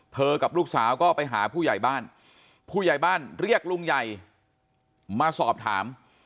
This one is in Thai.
กับลูกสาวก็ไปหาผู้ใหญ่บ้านผู้ใหญ่บ้านเรียกลุงใหญ่มาสอบถาม